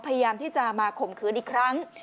พยายามที่จะมาข่มขืนอีกครั้ง